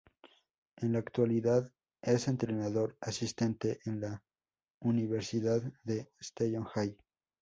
En la actualidad es entrenador asistente en la Universidad de Seton Hall.